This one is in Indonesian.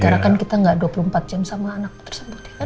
karena kan kita gak dua puluh empat jam sama anak tersebut ya kan